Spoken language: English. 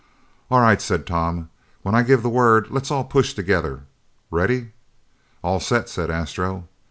"All right," said Tom. "When I give the word, let's all push together. Ready?" "All set," said Astro.